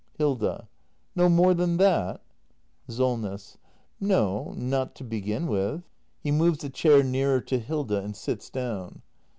Hilda. No more than that ? SOLNESS. No, not to begin with. [He moves a chair nearer to Hilda and sits down.